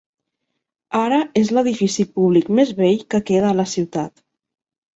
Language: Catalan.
Ara és l'edifici públic més vell que queda a la ciutat.